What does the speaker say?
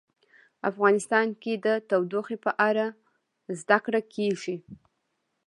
افغانستان کې د تودوخه په اړه زده کړه کېږي.